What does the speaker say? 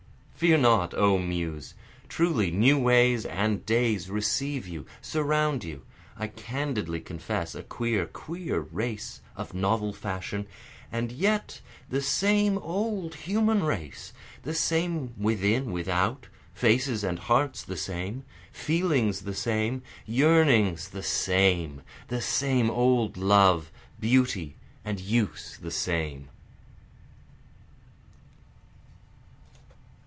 Fear not O Muse! truly new ways and days receive, surround you, I candidly confess a queer, queer race, of novel fashion, And yet the same old human race, the same within, without, Faces and hearts the same, feelings the same, yearnings the same, The same old love, beauty and use the same.